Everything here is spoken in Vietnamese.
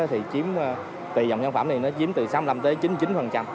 thì chiếm tỷ dòng sản phẩm này nó chiếm từ sáu mươi năm tới chín mươi chín